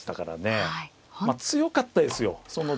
強かったですよ。